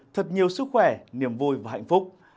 thật nhiều sức khỏe niềm vui và hạnh phúc